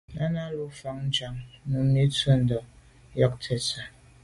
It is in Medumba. Náná lù fá càŋ Númí tɔ̌ tûɁndá ŋkɔ̀k tə̀tswə́Ɂ.